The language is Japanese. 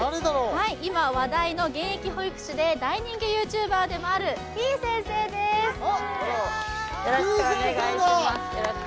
今話題の現役保育士で大人気ＹｏｕＴｕｂｅｒでもあるてぃ先生ですあってぃ